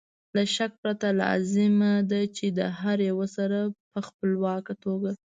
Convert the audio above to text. له شک پرته لازمه ده چې د هر یو سره په خپلواکه توګه